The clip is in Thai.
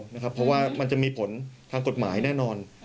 เพราะว่ามันจะมีผลทางกฎหมายแน่นอน